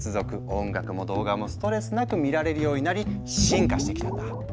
音楽も動画もストレスなく見られるようになり進化してきたんだ。